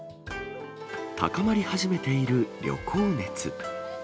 高まり始めている旅行熱。